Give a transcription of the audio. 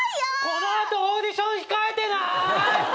この後オーディション控えてない！？